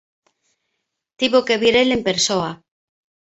Tivo que vir el en persoa.